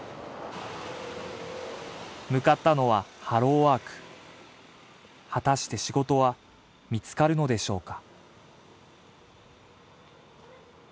向かったのはハローワーク果たして仕事は見つかるのでしょうか？